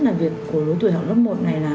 là việc của lối tuổi học lớp một này